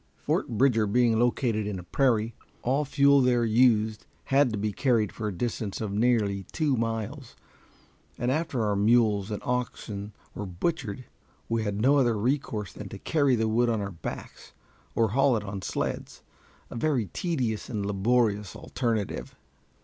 Fort Bridger being located in a prairie, all fuel there used had to be carried for a distance of nearly two miles, and after our mules and oxen were butchered, we had no other recourse than to carry the wood on our backs or haul it on sleds a very tedious and laborious alternative.